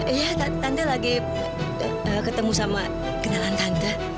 iya kanda lagi ketemu sama kenalan tante